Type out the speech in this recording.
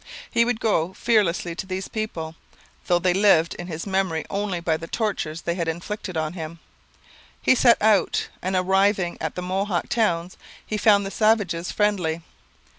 He would go fearlessly to these people, though they lived in his memory only by the tortures they had inflicted on him. He set out; and on arriving at the Mohawk towns he found the savages friendly.